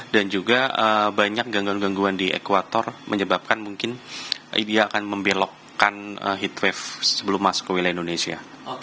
dan juga banyak gangguan gangguan di ekwator menyebabkan mungkin dia akan membelokkan heatwave sebelum masuk ke wilayah indonesia